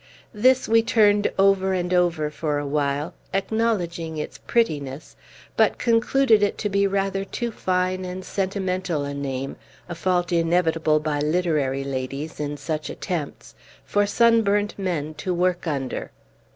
This we turned over and over for a while, acknowledging its prettiness, but concluded it to be rather too fine and sentimental a name (a fault inevitable by literary ladies in such attempts) for sunburnt men to work under.